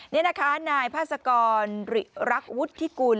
นี่นะคะนายพาสกรริรักวุฒิกุล